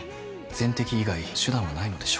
全摘以外手段はないのでしょうか？